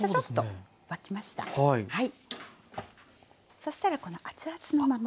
そしたらこの熱々のまま。